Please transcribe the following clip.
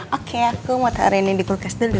oke aku mau taruh ini di kulkas dulu